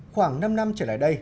khoảng năm năm trở lại đây